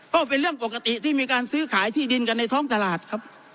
ก็เป็นเรื่องปกติที่มีการซื้อขายที่ดินกันในท้องตลาดครับ